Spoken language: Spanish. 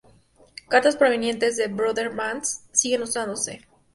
Cartas provenientes de Brother Bands siguen usándose.